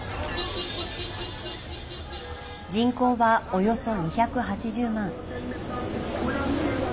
人口は、およそ２８０万。